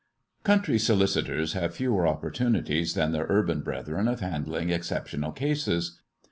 COUNTRY solicitors have fewer opportunities than their urban brethren of handling exceptional cases.